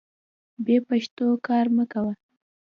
بې پښتو کار مه کوه.